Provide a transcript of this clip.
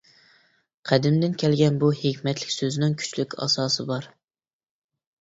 قەدىمدىن كەلگەن بۇ ھېكمەتلىك سۆزنىڭ كۈچلۈك ئاساسى بار.